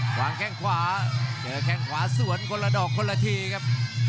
วางแข้งขวาเจอแข้งขวาสวนคนละดอกคนละทีครับ